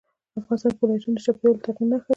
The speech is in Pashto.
افغانستان کې ولایتونه د چاپېریال د تغیر نښه ده.